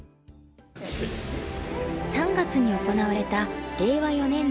３月に行われた令和４年度合同表彰式。